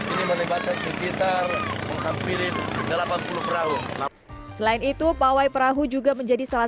ini melibatkan sekitar menghampiri delapan puluh perahu selain itu pawai perahu juga menjadi salah